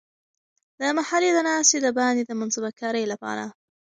د محلي د ناستې د باندې د منصوبه کارۍ لپاره.